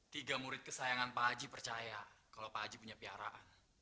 tiga murid kesayangan pak haji percaya kalau pak haji punya piaraan